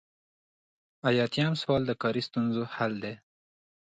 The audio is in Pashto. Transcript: ایاتیام سوال د کاري ستونزو حل دی.